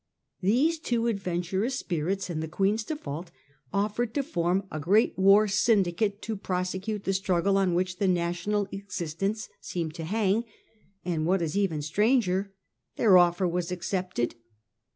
These two adventurous spirits, in the Queen's default, offered to form a great war syndicate to prosecute the struggle on which the national existence seemed to hang, and what is even stranger, their offer was accepted.